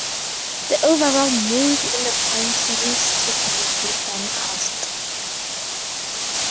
The overall mood in the poem seems to be a bit downcast.